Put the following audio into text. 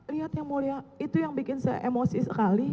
lihatnya mulia itu yang bikin saya emosi sekali